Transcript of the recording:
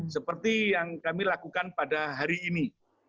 seperti yang kami lakukan pada hari ini